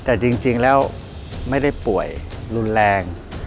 แต่จริงแล้วไม่ได้ป่วยรุนแรง